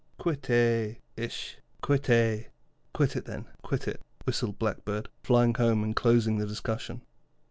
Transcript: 'Quit eh, eisht, quit eh.' 'Quit it, then, quit it,' whistled Blackbird, flying home and closing the discussion.